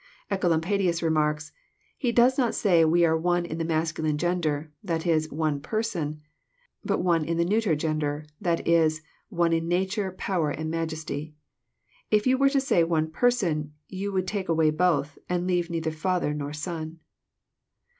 Ecolampadlus remarks : <*He does not say we are one in the masculine gender, — that is, one person ; but one in the neuter gender, — that is, one in nature, power, and msjesty. If yon were to say one Person, you would take away both, and leave neither Father nor Son."